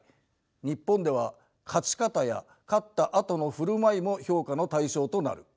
日本では勝ち方や勝ったあとの振る舞いも評価の対象となる。